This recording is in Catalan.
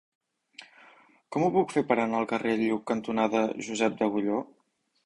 Com ho puc fer per anar al carrer Lluc cantonada Josep d'Agulló?